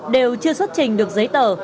đều chưa xuất trình được giấy tờ